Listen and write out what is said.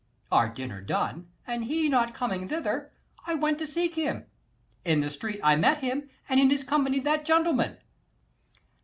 Our dinner done, and he not coming thither, I went to seek him: in the street I met him, 225 And in his company that gentleman.